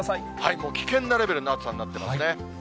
もう危険なレベルの暑さになってますね。